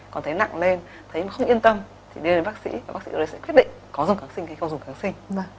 còn thấy nặng lên thấy mà không yên tâm thì đưa đến bác sĩ bác sĩ sẽ quyết định có dùng kháng sinh hay không dùng kháng sinh